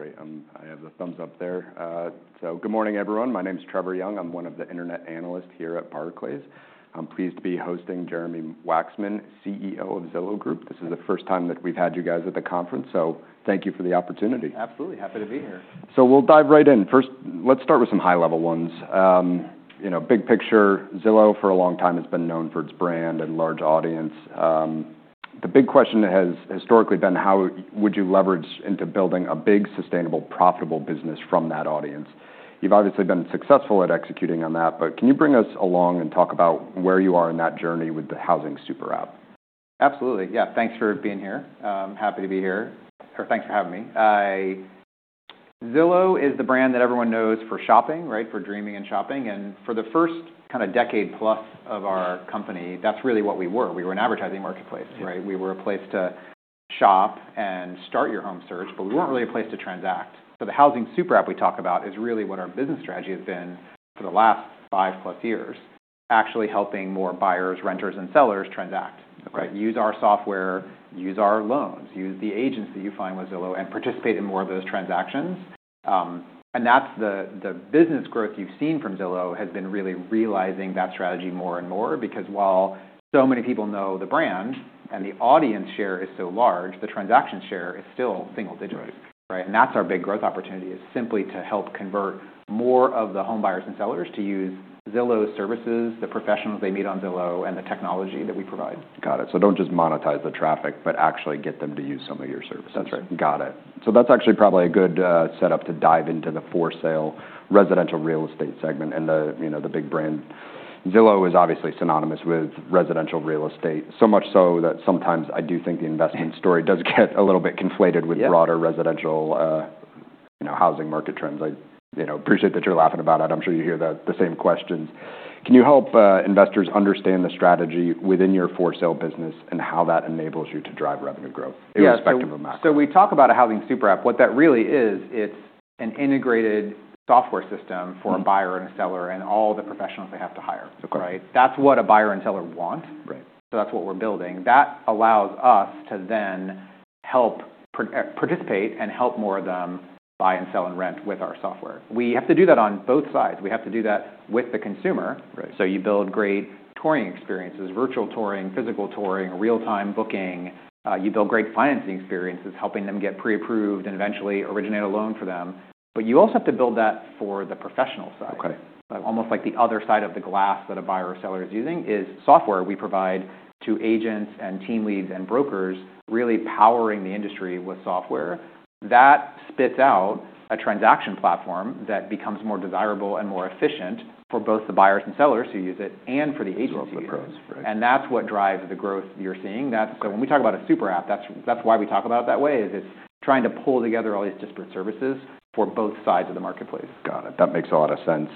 Okay, great. I have the thumbs up there. So good morning, everyone. My name's Trevor Young. I'm one of the internet analysts here at Barclays. I'm pleased to be hosting Jeremy Wacksman, CEO of Zillow Group. This is the first time that we've had you guys at the conference, so thank you for the opportunity. Absolutely. Happy to be here. So we'll dive right in. First, let's start with some high-level ones. You know, big picture, Zillow for a long time has been known for its brand and large audience. The big question has historically been, how would you leverage into building a big, sustainable, profitable business from that audience? You've obviously been successful at executing on that, but can you bring us along and talk about where you are in that journey with the Housing Super App? Absolutely. Yeah, thanks for being here. Happy to be here. Or thanks for having me. Zillow is the brand that everyone knows for shopping, right? For dreaming and shopping. And for the first kind of decade-plus of our company, that's really what we were. We were an advertising marketplace, right? We were a place to shop and start your home search, but we weren't really a place to transact. So the Housing Super App we talk about is really what our business strategy has been for the last five-plus years, actually helping more buyers, renters, and sellers transact. Okay. Right? Use our software, use our loans, use the agents that you find with Zillow, and participate in more of those transactions. And that's the business growth you've seen from Zillow has been really realizing that strategy more and more because while so many people know the brand and the audience share is so large, the transaction share is still single digits. Right. Right? And that's our big growth opportunity, is simply to help convert more of the home buyers and sellers to use Zillow's services, the professionals they meet on Zillow, and the technology that we provide. Got it. So don't just monetize the traffic, but actually get them to use some of your services. That's right. Got it. So that's actually probably a good setup to dive into the for-sale residential real estate segment and the you know the big brand. Zillow is obviously synonymous with residential real estate, so much so that sometimes I do think the investment story does get a little bit conflated with broader residential you know housing market trends. I you know appreciate that you're laughing about it. I'm sure you hear the same questions. Can you help investors understand the strategy within your for-sale business and how that enables you to drive revenue growth. Yeah. Irrespective of macro? We talk about a Housing Super App. What that really is, it's an integrated software system for a buyer and a seller and all the professionals they have to hire. Okay. Right? That's what a buyer and seller want. Right. So that's what we're building. That allows us to then help participate and help more of them buy and sell and rent with our software. We have to do that on both sides. We have to do that with the consumer. Right. So you build great touring experiences, virtual touring, physical touring, real-time booking. You build great financing experiences, helping them get pre-approved and eventually originate a loan for them. But you also have to build that for the professional side. Okay. Almost like the other side of the glass that a buyer or seller is using is software we provide to agents and team leads and brokers, really powering the industry with software. That spits out a transaction platform that becomes more desirable and more efficient for both the buyers and sellers who use it and for the agency pros. Right. And that's what drives the growth you're seeing. That's so when we talk about a super app, that's, that's why we talk about it that way, is it's trying to pull together all these disparate services for both sides of the marketplace. Got it. That makes a lot of sense.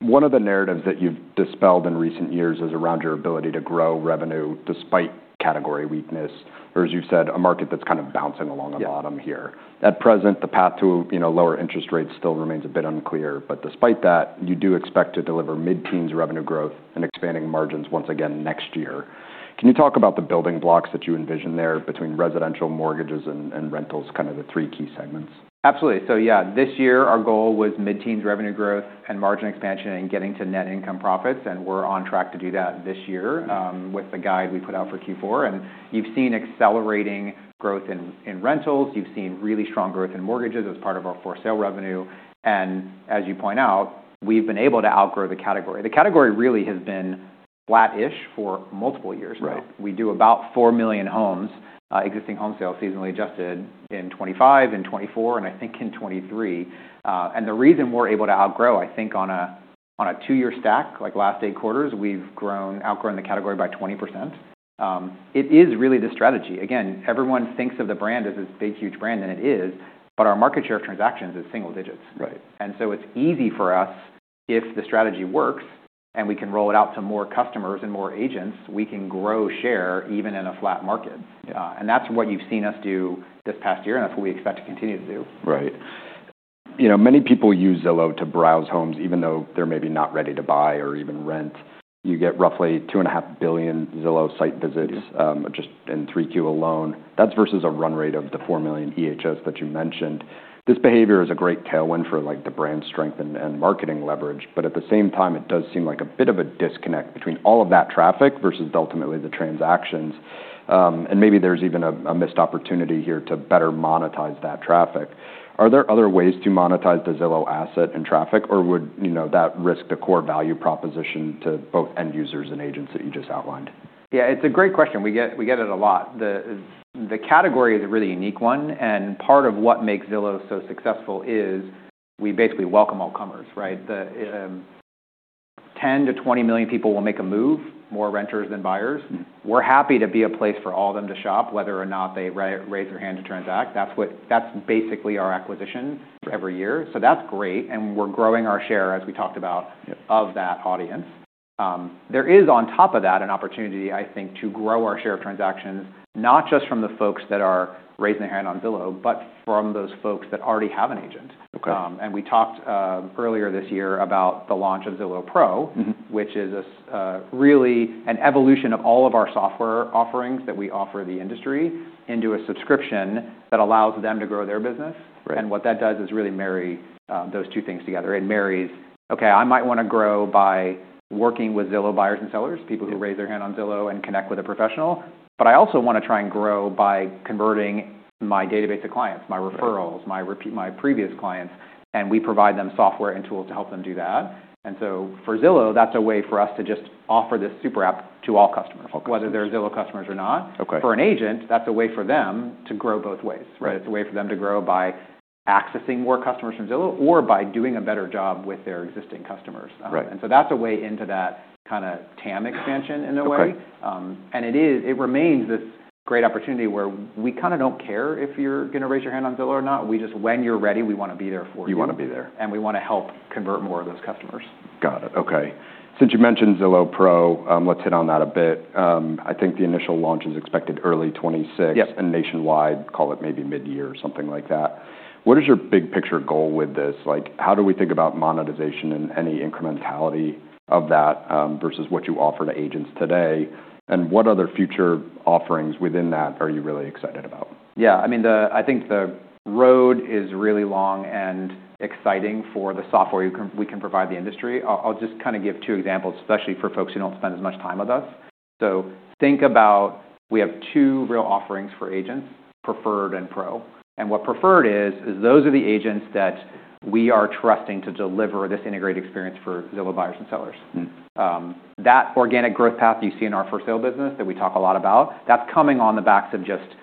One of the narratives that you've dispelled in recent years is around your ability to grow revenue despite category weakness, or as you've said, a market that's kind of bouncing along a bottom here. Yeah. At present, the path to, you know, lower interest rates still remains a bit unclear, but despite that, you do expect to deliver mid-teens revenue growth and expanding margins once again next year. Can you talk about the building blocks that you envision there between residential, mortgages, and rentals, kind of the three key segments? Absolutely. So yeah, this year our goal was mid-teens revenue growth and margin expansion and getting to net income profits. And we're on track to do that this year, with the guide we put out for Q4. And you've seen accelerating growth in rentals. You've seen really strong growth in mortgages as part of our for-sale revenue. And as you point out, we've been able to outgrow the category. The category really has been flat-ish for multiple years. Right. We do about 4 million homes, existing home sales, seasonally adjusted in 2025, in 2024, and I think in 2023, and the reason we're able to outgrow, I think, on a, on a two-year stack, like last eight quarters, we've grown, outgrown the category by 20%. It is really the strategy. Again, everyone thinks of the brand as this big, huge brand, and it is, but our market share of transactions is single digits. Right. It's easy for us if the strategy works and we can roll it out to more customers and more agents. We can grow share even in a flat market. Yeah. And that's what you've seen us do this past year, and that's what we expect to continue to do. Right. You know, many people use Zillow to browse homes, even though they're maybe not ready to buy or even rent. You get roughly 2.5 billion Zillow site visits. Yes. Just in three Q alone. That's versus a run rate of the four million EHS that you mentioned. This behavior is a great tailwind for, like, the brand strength and marketing leverage, but at the same time, it does seem like a bit of a disconnect between all of that traffic versus ultimately the transactions. And maybe there's even a missed opportunity here to better monetize that traffic. Are there other ways to monetize the Zillow asset and traffic, or would, you know, that risk the core value proposition to both end users and agents that you just outlined? Yeah, it's a great question. We get it a lot. The category is a really unique one, and part of what makes Zillow so successful is we basically welcome all comers, right? 10-20 million people will make a move, more renters than buyers. Mm-hmm. We're happy to be a place for all of them to shop, whether or not they raise their hand to transact. That's what that's basically our acquisition for every year. So that's great, and we're growing our share, as we talked about. Yep. Of that audience, there is, on top of that, an opportunity, I think, to grow our share of transactions, not just from the folks that are raising their hand on Zillow, but from those folks that already have an agent. Okay. We talked earlier this year about the launch of Zillow Pro. Mm-hmm. Which is really an evolution of all of our software offerings that we offer the industry into a subscription that allows them to grow their business. Right. What that does is really marry those two things together. It marries, okay, I might want to grow by working with Zillow buyers and sellers, people who raise their hand on Zillow and connect with a professional, but I also want to try and grow by converting my database of clients, my referrals. Right. My repeat, my previous clients, and we provide them software and tools to help them do that, and so for Zillow, that's a way for us to just offer this super app to all customers. Okay. Whether they're Zillow customers or not. Okay. For an agent, that's a way for them to grow both ways. Right. It's a way for them to grow by accessing more customers from Zillow or by doing a better job with their existing customers. Right. That's a way into that kind of TAM expansion in a way. Okay. And it is, it remains this great opportunity where we kind of don't care if you're going to raise your hand on Zillow or not. We just, when you're ready, we want to be there for you. You want to be there. We want to help convert more of those customers. Got it. Okay. Since you mentioned Zillow Pro, let's hit on that a bit. I think the initial launch is expected early 2026. Yes. Nationwide, call it maybe mid-year or something like that. What is your big picture goal with this? Like, how do we think about monetization and any incrementality of that, versus what you offer to agents today? And what other future offerings within that are you really excited about? Yeah, I mean, I think the road is really long and exciting for the software we can provide the industry. I'll just kind of give two examples, especially for folks who don't spend as much time with us. So think about, we have two real offerings for agents, Preferred and Pro. And what Preferred is, those are the agents that we are trusting to deliver this integrated experience for Zillow buyers and sellers. Mm-hmm. That organic growth path you see in our for-sale business that we talk a lot about, that's coming on the backs of just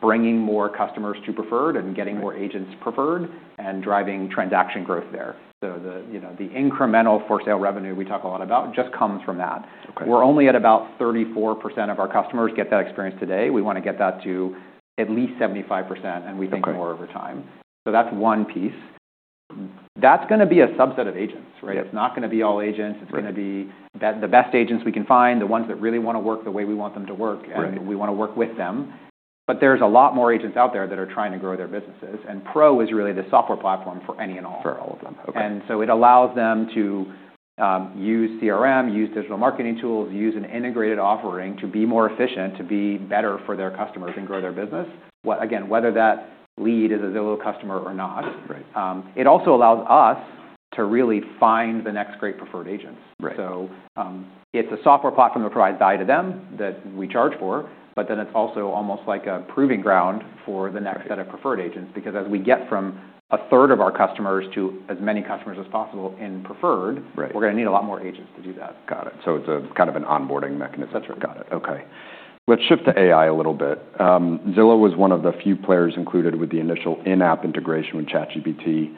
bringing more customers to preferred and getting more agents preferred and driving transaction growth there. So, you know, the incremental for-sale revenue we talk a lot about just comes from that. Okay. We're only at about 34% of our customers get that experience today. We want to get that to at least 75%, and we think. Okay. More over time. So that's one piece. That's going to be a subset of agents, right? Yes. It's not going to be all agents. Right. It's going to be the best agents we can find, the ones that really want to work the way we want them to work. Right. And we want to work with them. But there's a lot more agents out there that are trying to grow their businesses, and Pro is really the software platform for any and all. For all of them. Okay. And so it allows them to use CRM, use digital marketing tools, use an integrated offering to be more efficient, to be better for their customers and grow their business. What, again, whether that lead is a Zillow customer or not. Right. It also allows us to really find the next great Preferred agents. Right. It's a software platform that provides value to them that we charge for, but then it's also almost like a proving ground for the next set of Preferred agents because as we get from a third of our customers to as many customers as possible in Preferred. Right. We're going to need a lot more agents to do that. Got it. So it's a kind of an onboarding mechanism. That's right. Got it. Okay. Let's shift to AI a little bit. Zillow was one of the few players included with the initial in-app integration with ChatGPT.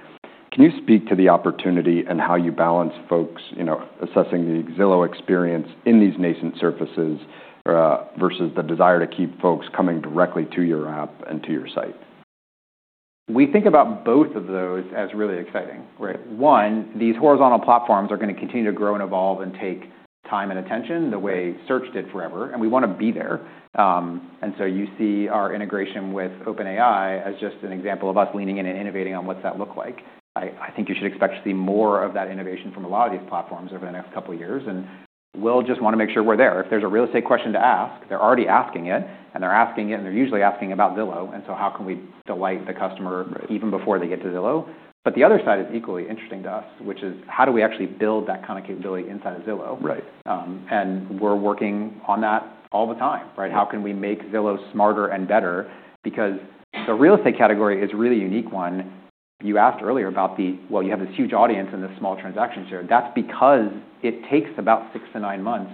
Can you speak to the opportunity and how you balance folks, you know, assessing the Zillow experience in these nascent surfaces, versus the desire to keep folks coming directly to your app and to your site? We think about both of those as really exciting, right? One, these horizontal platforms are going to continue to grow and evolve and take time and attention the way search did forever, and we want to be there, and so you see our integration with OpenAI as just an example of us leaning in and innovating on what's that look like. I, I think you should expect to see more of that innovation from a lot of these platforms over the next couple of years, and we'll just want to make sure we're there. If there's a real estate question to ask, they're already asking it, and they're asking it, and they're usually asking about Zillow, and so how can we delight the customer. Right. Even before they get to Zillow? But the other side is equally interesting to us, which is how do we actually build that kind of capability inside of Zillow? Right. and we're working on that all the time, right? Mm-hmm. How can we make Zillow smarter and better? Because the real estate category is a really unique one. You asked earlier about the, well, you have this huge audience and this small transaction share. That's because it takes about six to nine months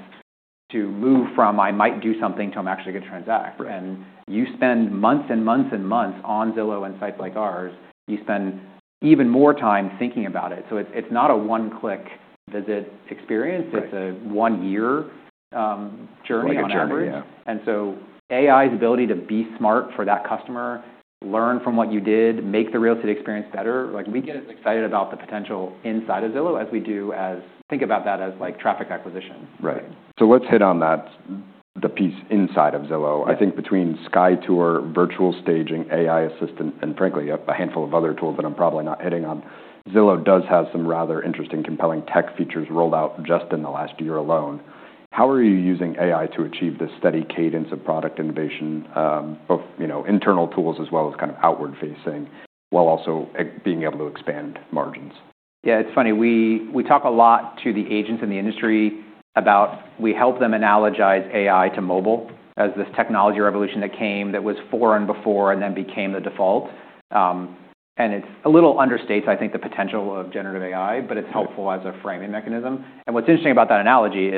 to move from I might do something to I'm actually going to transact. Right. You spend months and months and months on Zillow and sites like ours. You spend even more time thinking about it. So it's not a one-click visit experience. Right. It's a one-year journey on average. One-year journey, yeah. And so, AI's ability to be smart for that customer, learn from what you did, make the real estate experience better. Like, we get as excited about the potential inside of Zillow as we do as think about that as, like, traffic acquisition. Right. So let's hit on that, the piece inside of Zillow. Right. I think between Sky Tour, Virtual Staging, AI assistant, and frankly, a handful of other tools that I'm probably not hitting on, Zillow does have some rather interesting, compelling tech features rolled out just in the last year alone. How are you using AI to achieve this steady cadence of product innovation, both, you know, internal tools as well as kind of outward-facing while also being able to expand margins? Yeah, it's funny. We, we talk a lot to the agents in the industry about we help them analogize AI to mobile as this technology revolution that came that was foreign before and then became the default. And it's a little understates, I think, the potential of generative AI, but it's helpful as a framing mechanism. And what's interesting about that analogy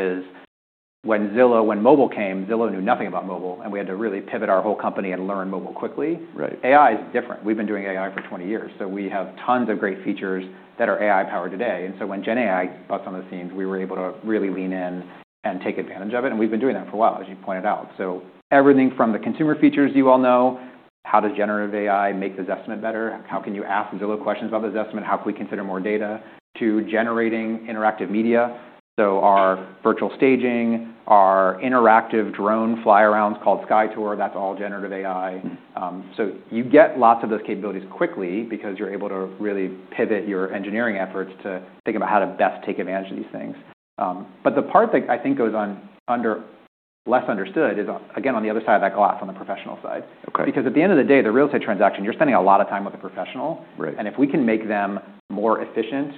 is when Zillow, when mobile came, Zillow knew nothing about mobile, and we had to really pivot our whole company and learn mobile quickly. Right. AI's different. We've been doing AI for 20 years, so we have tons of great features that are AI-powered today. And so when GenAI burst on the scene, we were able to really lean in and take advantage of it, and we've been doing that for a while, as you pointed out. So everything from the consumer features you all know, how does generative AI make the Zestimate better? How can you ask Zillow questions about the Zestimate? How can we consider more data? To generating interactive media. So our virtual staging, our interactive drone fly-arounds called Sky Tour, that's all generative AI. Mm-hmm. So you get lots of those capabilities quickly because you're able to really pivot your engineering efforts to think about how to best take advantage of these things. But the part that I think goes on under less understood is, again, on the other side of that glass, on the professional side. Okay. Because at the end of the day, the real estate transaction, you're spending a lot of time with a professional. Right. And if we can make them more efficient,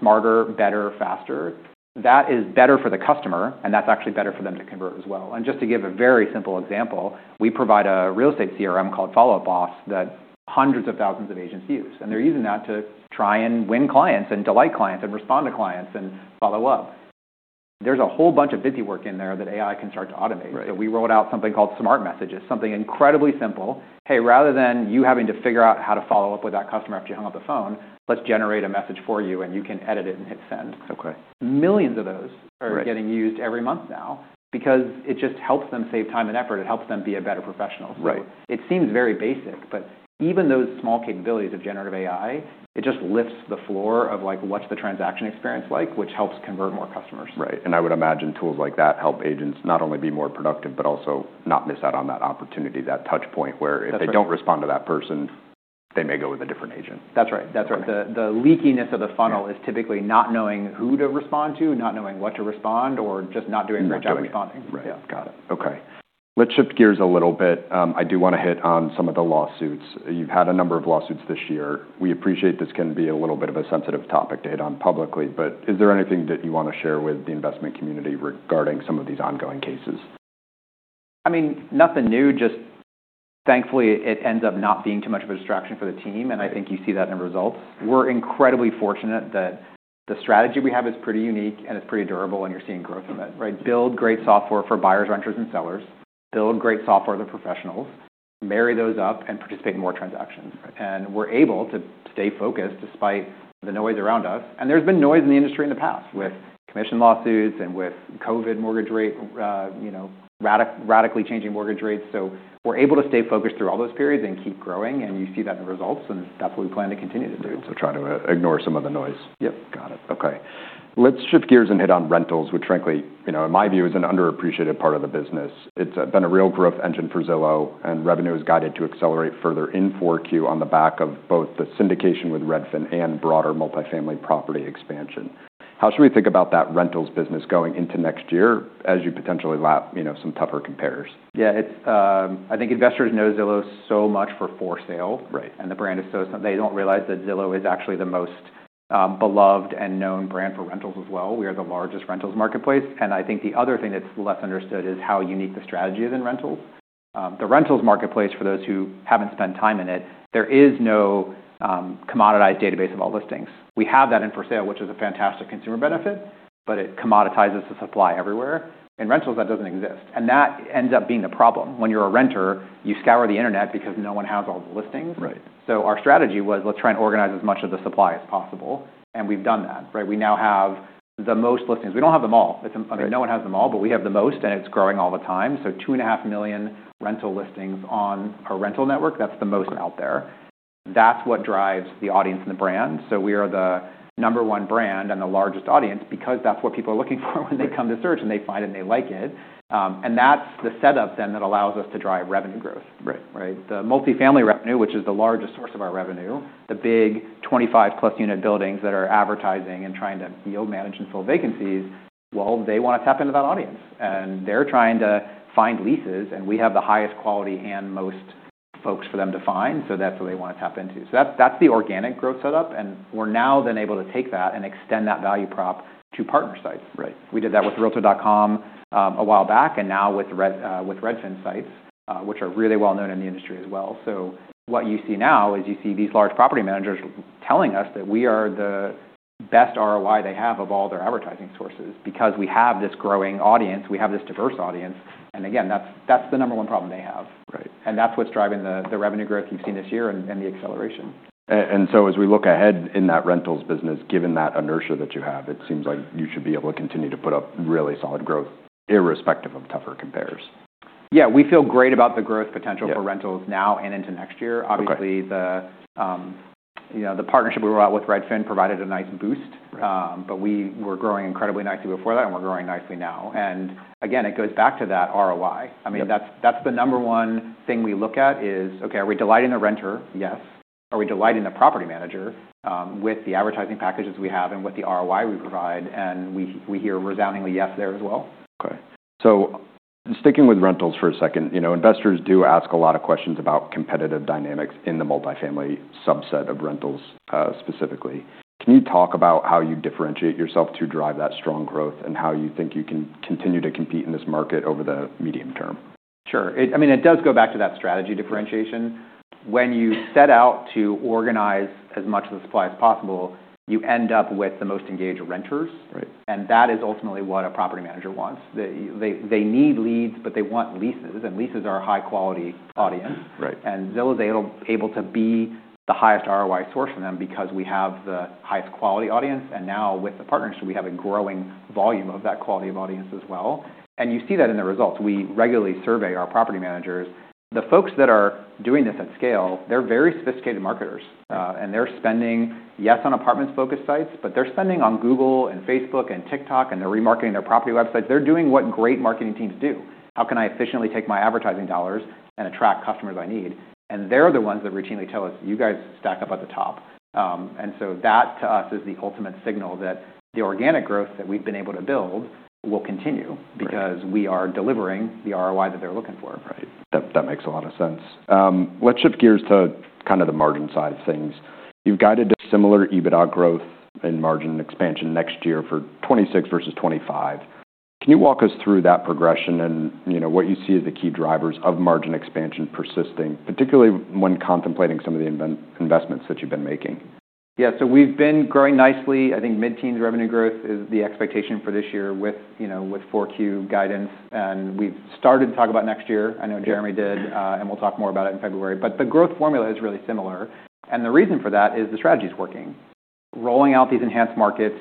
smarter, better, faster, that is better for the customer, and that's actually better for them to convert as well. And just to give a very simple example, we provide a real estate CRM called Follow Up Boss that hundreds of thousands of agents use, and they're using that to try and win clients and delight clients and respond to clients and follow up. There's a whole bunch of busywork in there that AI can start to automate. Right. So we rolled out something called Smart Messages, something incredibly simple. Hey, rather than you having to figure out how to follow up with that customer after you hung up the phone, let's generate a message for you, and you can edit it and hit send. Okay. Millions of those. Right. Are getting used every month now because it just helps them save time and effort. It helps them be a better professional. Right. So it seems very basic, but even those small capabilities of generative AI, it just lifts the floor of, like, what's the transaction experience like, which helps convert more customers. Right, and I would imagine tools like that help agents not only be more productive but also not miss out on that opportunity, that touchpoint where. That's right. If they don't respond to that person, they may go with a different agent. That's right. That's right. The leakiness of the funnel is typically not knowing who to respond to, not knowing what to respond, or just not doing the job responding. Right. Yeah. Got it. Okay. Let's shift gears a little bit. I do want to hit on some of the lawsuits. You've had a number of lawsuits this year. We appreciate this can be a little bit of a sensitive topic to hit on publicly, but is there anything that you want to share with the investment community regarding some of these ongoing cases? I mean, nothing new, just thankfully it ends up not being too much of a distraction for the team, and I think you see that in the results. We're incredibly fortunate that the strategy we have is pretty unique and it's pretty durable, and you're seeing growth in it, right? Build great software for buyers, renters, and sellers. Build great software for the professionals. Marry those up and participate in more transactions. Right. We're able to stay focused despite the noise around us. There's been noise in the industry in the past with commission lawsuits and with COVID mortgage rate, you know, radically changing mortgage rates. We're able to stay focused through all those periods and keep growing, and you see that in the results, and that's what we plan to continue to do. So trying to ignore some of the noise. Yep. Got it. Okay. Let's shift gears and hit on rentals, which frankly, you know, in my view, is an underappreciated part of the business. It's been a real growth engine for Zillow, and revenue has guided to accelerate further in 4Q on the back of both the syndication with Redfin and broader multifamily property expansion. How should we think about that rentals business going into next year as you potentially lap, you know, some tougher comps? Yeah, it's. I think investors know Zillow so much for sale. Right. The brand is so they don't realize that Zillow is actually the most beloved and known brand for rentals as well. We are the largest rentals marketplace, and I think the other thing that's less understood is how unique the strategy is in rentals. The rentals marketplace, for those who haven't spent time in it, there is no commoditized database of all listings. We have that in for sale, which is a fantastic consumer benefit, but it commoditizes the supply everywhere. In rentals, that doesn't exist, and that ends up being the problem. When you're a renter, you scour the internet because no one has all the listings. Right. So our strategy was, let's try and organize as much of the supply as possible, and we've done that, right? We now have the most listings. We don't have them all. It's a, I mean, no one has them all, but we have the most, and it's growing all the time. So two and a half million rental listings on our rental network, that's the most out there. That's what drives the audience and the brand. So we are the number one brand and the largest audience because that's what people are looking for when they come to search, and they find it and they like it, and that's the setup then that allows us to drive revenue growth. Right. Right? The multifamily revenue, which is the largest source of our revenue, the big 25-plus unit buildings that are advertising and trying to, you know, manage and fill vacancies, well, they want to tap into that audience, and they're trying to find leases, and we have the highest quality and most folks for them to find, so that's what they want to tap into. So that's, that's the organic growth setup, and we're now then able to take that and extend that value prop to partner sites. Right. We did that with Realtor.com a while back, and now with Red, with Redfin sites, which are really well known in the industry as well. So what you see now is you see these large property managers telling us that we are the best ROI they have of all their advertising sources because we have this growing audience. We have this diverse audience, and again, that's, that's the number one problem they have. Right. And that's what's driving the revenue growth you've seen this year and the acceleration. And so as we look ahead in that rentals business, given that inertia that you have, it seems like you should be able to continue to put up really solid growth irrespective of tougher comps. Yeah, we feel great about the growth potential for rentals now and into next year. Okay. Obviously, you know, the partnership we were out with Redfin provided a nice boost. Right. But we were growing incredibly nicely before that, and we're growing nicely now. And again, it goes back to that ROI. Yeah. I mean, that's the number one thing we look at is, okay, are we delighting the renter? Yes. Are we delighting the property manager, with the advertising packages we have and with the ROI we provide? And we hear resoundingly yes there as well. Okay. So sticking with rentals for a second, you know, investors do ask a lot of questions about competitive dynamics in the multifamily subset of rentals, specifically. Can you talk about how you differentiate yourself to drive that strong growth and how you think you can continue to compete in this market over the medium term? Sure. It, I mean, it does go back to that strategy differentiation. When you set out to organize as much of the supply as possible, you end up with the most engaged renters. Right. That is ultimately what a property manager wants. They need leads, but they want leases, and leases are a high-quality audience. Right. Zillow's able to be the highest ROI source for them because we have the highest quality audience, and now with the partnership, we have a growing volume of that quality of audience as well, you see that in the results. We regularly survey our property managers. The folks that are doing this at scale, they're very sophisticated marketers, and they're spending, yes, on apartments-focused sites, but they're spending on Google and Facebook and TikTok, and they're remarketing their property websites. They're doing what great marketing teams do. How can I efficiently take my advertising dollars and attract customers I need? They're the ones that routinely tell us, "You guys stack up at the top," and so that, to us, is the ultimate signal that the organic growth that we've been able to build will continue because we are delivering the ROI that they're looking for. Right. That makes a lot of sense. Let's shift gears to kind of the margin side of things. You've guided a similar EBITDA growth and margin expansion next year for 2026 versus 2025. Can you walk us through that progression and, you know, what you see as the key drivers of margin expansion persisting, particularly when contemplating some of the investments that you've been making? Yeah, so we've been growing nicely. I think mid-teens revenue growth is the expectation for this year with, you know, with 4Q guidance, and we've started to talk about next year. I know Jeremy did, and we'll talk more about it in February, but the growth formula is really similar, and the reason for that is the strategy's working. Rolling out these enhanced markets,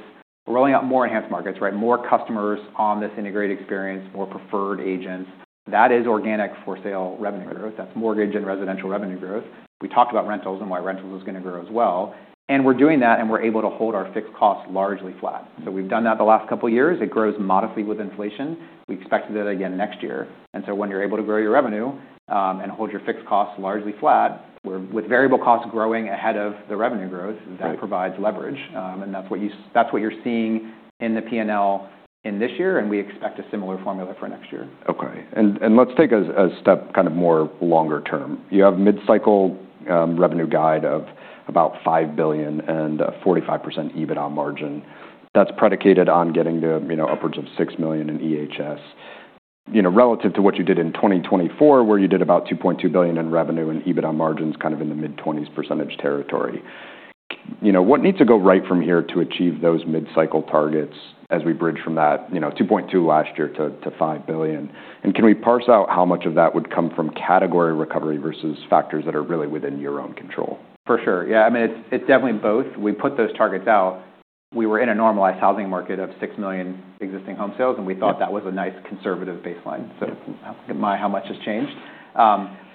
rolling out more enhanced markets, right? More customers on this integrated experience, more Preferred agents. That is organic for sale revenue growth. That's mortgage and residential revenue growth. We talked about rentals and why rentals is going to grow as well, and we're doing that, and we're able to hold our fixed costs largely flat. So we've done that the last couple of years. It grows modestly with inflation. We expected it again next year. When you're able to grow your revenue, and hold your fixed costs largely flat, we're with variable costs growing ahead of the revenue growth. Right. That provides leverage, and that's what you're seeing in the P&L in this year, and we expect a similar formula for next year. Okay. And let's take a step kind of more longer term. You have mid-cycle revenue guide of about $5 billion and a 45% EBITDA margin. That's predicated on getting to, you know, upwards of 6 million in EHS, you know, relative to what you did in 2024, where you did about $2.2 billion in revenue and EBITDA margins kind of in the mid-20s% territory. You know, what needs to go right from here to achieve those mid-cycle targets as we bridge from that, you know, $2.2 billion last year to $5 billion? And can we parse out how much of that would come from category recovery versus factors that are really within your own control? For sure. Yeah, I mean, it's, it's definitely both. We put those targets out. We were in a normalized housing market of 6 million existing home sales, and we thought that was a nice conservative baseline. Mm-hmm. So much has changed.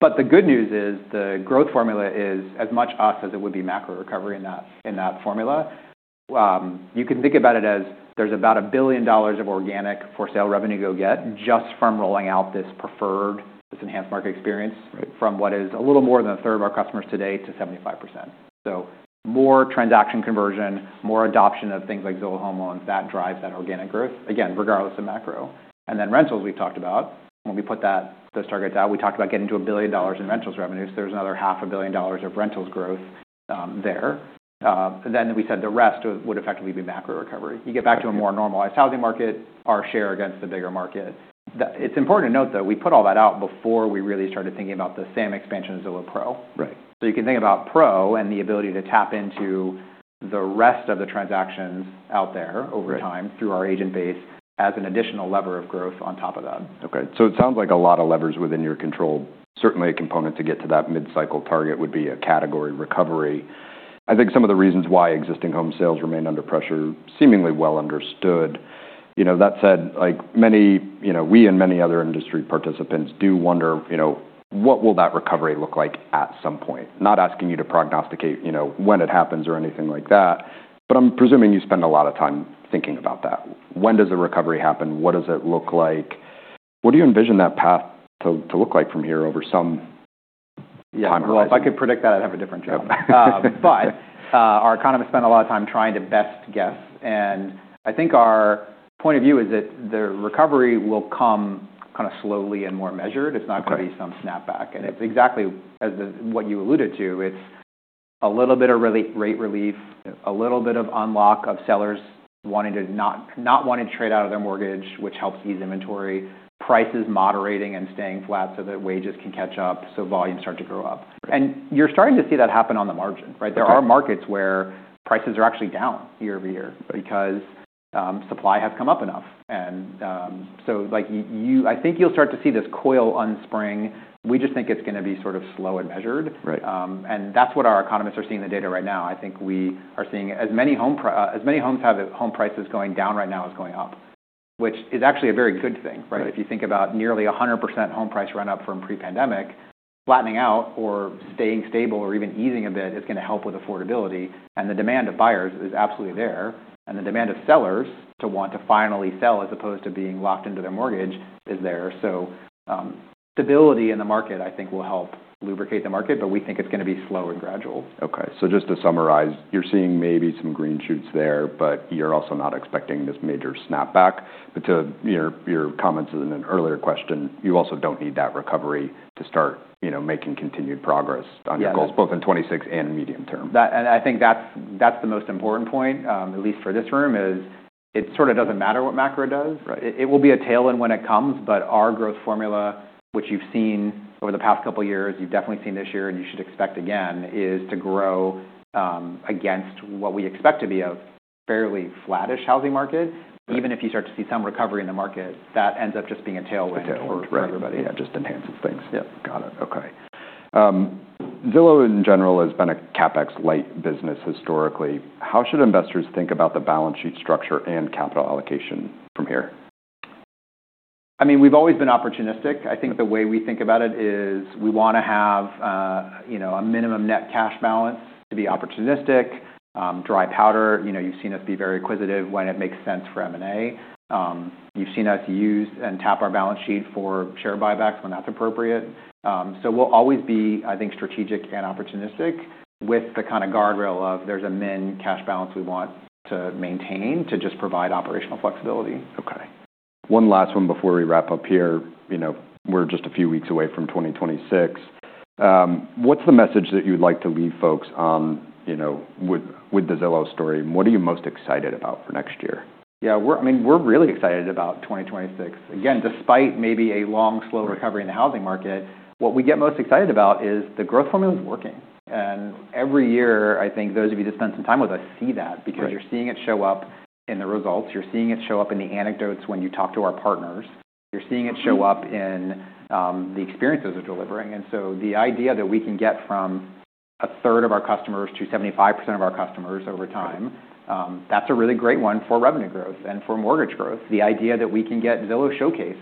But the good news is the growth formula is as much ours as it would be macro recovery in that formula. You can think about it as there's about $1 billion of organic for-sale revenue you'll get just from rolling out this preferred, this enhanced market experience. Right. From what is a little more than a third of our customers today to 75%. So more transaction conversion, more adoption of things like Zillow Home Loans, that drives that organic growth, again, regardless of macro. And then rentals, we've talked about. When we put that, those targets out, we talked about getting to $1 billion in rentals revenues. There's another $500 million of rentals growth, there. Then we said the rest would effectively be macro recovery. You get back to a more normalized housing market, our share against the bigger market. That, it's important to note, though, we put all that out before we really started thinking about the SAM expansion of Zillow Pro. Right. So you can think about Pro and the ability to tap into the rest of the transactions out there over time. Right. Through our agent base as an additional lever of growth on top of that. Okay, so it sounds like a lot of levers within your control. Certainly, a component to get to that mid-cycle target would be a category recovery. I think some of the reasons why existing home sales remain under pressure seemingly well understood. You know, that said, like many, you know, we and many other industry participants do wonder, you know, what will that recovery look like at some point? Not asking you to prognosticate, you know, when it happens or anything like that, but I'm presuming you spend a lot of time thinking about that. When does the recovery happen? What does it look like? What do you envision that path to look like from here over some time horizon? Yeah, well, if I could predict that, I'd have a different job. But, our economists spend a lot of time trying to best guess, and I think our point of view is that the recovery will come kind of slowly and more measured. It's not going to be some snapback, and it's exactly as the what you alluded to. It's a little bit of rate relief, a little bit of unlock of sellers wanting to not, not wanting to trade out of their mortgage, which helps ease inventory, prices moderating and staying flat so that wages can catch up so volumes start to grow up. Right. And you're starting to see that happen on the margin, right? There are markets where prices are actually down year over year because supply has come up enough. So like you I think you'll start to see this coil unspring. We just think it's going to be sort of slow and measured. Right. And that's what our economists are seeing in the data right now. I think we are seeing as many homes have home prices going down right now as going up, which is actually a very good thing, right? Right. If you think about nearly 100% home price run-up from pre-pandemic, flattening out or staying stable or even easing a bit is going to help with affordability, and the demand of buyers is absolutely there, and the demand of sellers to want to finally sell as opposed to being locked into their mortgage is there. So, stability in the market, I think, will help lubricate the market, but we think it's going to be slow and gradual. Okay. So just to summarize, you're seeing maybe some green shoots there, but you're also not expecting this major snapback. But to your comments in an earlier question, you also don't need that recovery to start, you know, making continued progress on your goals. Yeah. Both in 2026 and medium term. That, and I think that's the most important point, at least for this room: it sort of doesn't matter what macro does. Right. It will be a tailwind when it comes, but our growth formula, which you've seen over the past couple of years, you've definitely seen this year, and you should expect again, is to grow, against what we expect to be a fairly flattish housing market. Even if you start to see some recovery in the market, that ends up just being a tailwind for everybody. Right. Right. Yeah, just enhances things. Yeah. Got it. Okay. Zillow in general has been a CapEx-light business historically. How should investors think about the balance sheet structure and capital allocation from here? I mean, we've always been opportunistic. I think the way we think about it is we want to have, you know, a minimum net cash balance to be opportunistic, dry powder. You know, you've seen us be very acquisitive when it makes sense for M&A. You've seen us use and tap our balance sheet for share buybacks when that's appropriate. So we'll always be, I think, strategic and opportunistic with the kind of guardrail of there's a min cash balance we want to maintain to just provide operational flexibility. Okay. One last one before we wrap up here. You know, we're just a few weeks away from 2026. What's the message that you'd like to leave folks on, you know, with the Zillow story? What are you most excited about for next year? Yeah, we're, I mean, we're really excited about 2026. Again, despite maybe a long, slow recovery in the housing market, what we get most excited about is the growth formula is working. And every year, I think those of you that spend some time with us see that because you're seeing it show up in the results. You're seeing it show up in the anecdotes when you talk to our partners. You're seeing it show up in the experiences of delivering. And so the idea that we can get from a third of our customers to 75% of our customers over time, that's a really great one for revenue growth and for mortgage growth. The idea that we can get Zillow Showcase,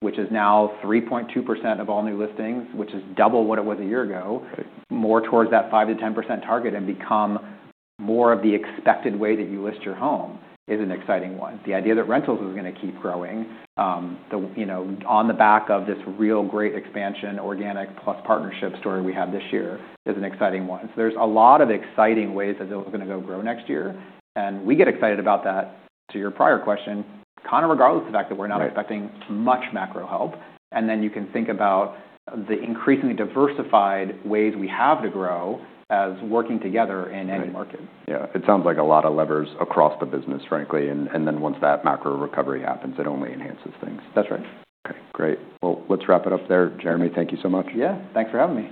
which is now 3.2% of all new listings, which is double what it was a year ago, more towards that 5%-10% target and become more of the expected way that you list your home is an exciting one. The idea that rentals is going to keep growing, you know, on the back of this real great expansion, organic plus partnership story we have this year is an exciting one. So there's a lot of exciting ways that Zillow is going to go grow next year, and we get excited about that. To your prior question, kind of regardless of the fact that we're not expecting much macro help, and then you can think about the increasingly diversified ways we have to grow as working together in any market. Yeah. It sounds like a lot of levers across the business, frankly, and, and then once that macro recovery happens, it only enhances things. That's right. Okay. Great. Well, let's wrap it up there. Jeremy, thank you so much. Yeah, thanks for having me.